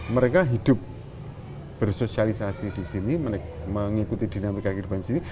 mereka hidup bersosialisasi di sini mengikuti dinamika kehidupan di sini